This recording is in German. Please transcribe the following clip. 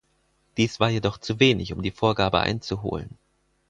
Dies war jedoch zu wenig um die Vorgabe einzuholen.